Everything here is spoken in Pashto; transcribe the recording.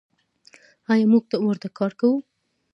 آیا موږ ورته کار کوو؟